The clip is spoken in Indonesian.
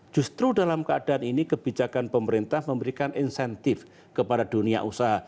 justru dalam keadaan ini kebijakan pemerintah memberikan insentif kepada dunia usaha